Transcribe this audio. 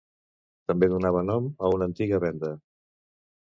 També donava nom a una antiga vénda.